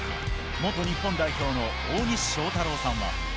元日本代表の大西将太郎さんは。